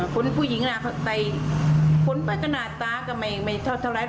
คนผู้หญิงคนผู้หญิงนะแต่คนประกันหน้าตาก็ไม่เท่าไหร่